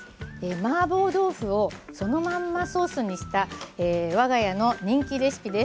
マーボー豆腐をそのまんまソースにした我が家の人気レシピです。